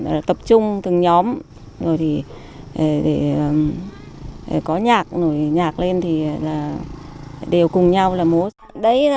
thì tập trung từng nhóm rồi thì để có nhạc rồi nhạc lên thì đều cùng nhau là múa